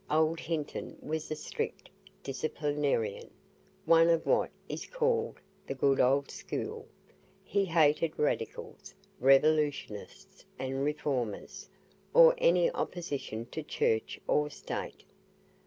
Old Hinton was a strict disciplinarian one of what is called the "good old school" he hated radicals, revolutionists, and reformers, or any opposition to Church or State.